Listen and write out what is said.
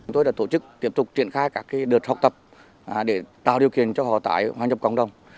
tôi đã tổ chức tiếp tục triển khai các đợt học tập để tạo điều kiện cho họ tái hòa nhập cộng đồng